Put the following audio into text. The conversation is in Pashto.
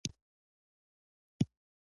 ژمنه پوره کول د نارینه کار دی